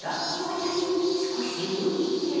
私少し浮いてる？